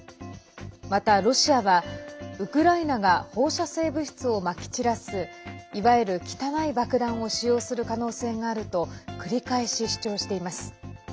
またロシアは、ウクライナが放射性物質をまき散らすいわゆる汚い爆弾を使用する可能性があると繰り返し主張しています。